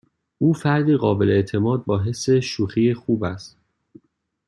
او فردی قابل اعتماد با حس شوخی خوب است.